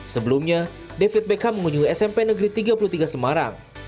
sebelumnya david beckham mengunjungi smp negeri tiga puluh tiga semarang